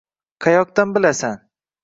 Qayoqdan bilasan